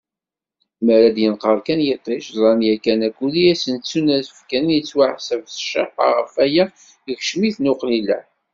Mi ara d-yenqer kan yiṭij, ẓran yakan akud i asen-yettunefken yettwaḥseb s cceḥḥa, ɣef waya, ikeccem-iten uqlileḥ.